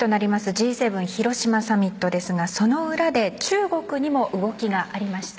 Ｇ７広島サミットですがその裏で中国にも動きがありました。